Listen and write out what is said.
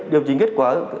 điều chỉnh kết quả